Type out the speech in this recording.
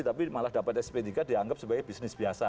tapi malah dapat sp tiga dianggap sebagai bisnis biasa